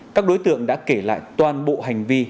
các đối tượng đã kể lại toàn bộ hành vi